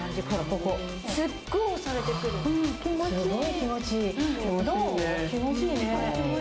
ここ・・すごい気持ちいい・